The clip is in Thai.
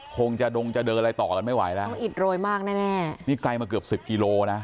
คงจะดงจะเดินอะไรต่อกันไม่ไหวแล้วเขาอิดโรยมากแน่แน่นี่ไกลมาเกือบสิบกิโลนะ